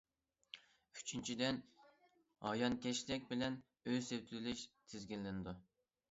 ئۈچىنچىدىن، ھايانكەشلىك بىلەن ئۆي سېتىۋېلىش تىزگىنلىنىدۇ.